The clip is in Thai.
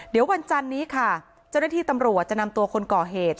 เดี๋ยววันจันนี้ค่ะเจ้าหน้าที่ตำรวจจะนำตัวคนก่อเหตุ